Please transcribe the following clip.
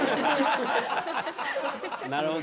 なるほど。